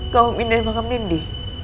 kau minat bakal mendi